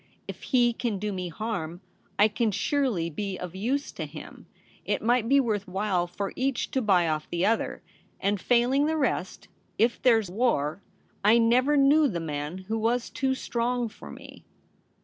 If he can do me harm, I can surely be of use to him ; it might be worth while for each to buy off the other ; and failing the rest, if there's war, I never knew the man who was too strong for me.'